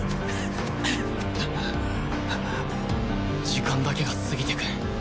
時間だけが過ぎていく